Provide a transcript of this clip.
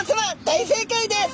大正解です。